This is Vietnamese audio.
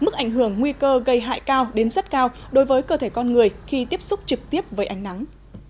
tổng nguy cơ gây hại cao đến rất cao đối với cơ thể con người khi tiếp xúc trực tiếp với ánh nắng